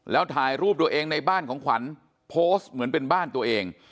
แล้วถ่ายรูปตัวเองในบ้านของขวัญโพสต์เหมือนเป็นบ้านตัวเอง